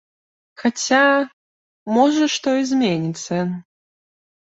Хаця, можа, што і зменіцца.